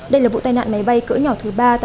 đây là vụ tai nạn máy bay cỡ nhỏ thứ ba tại